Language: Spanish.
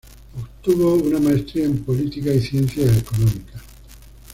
Obtuvo una maestría en Política y Ciencias Económicas.